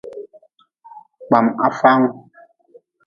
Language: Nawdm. Kpam hafaangu.